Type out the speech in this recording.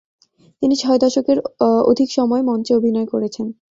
তিনি ছয় দশকের অধিক সময় মঞ্চে অভিনয় করেছেন।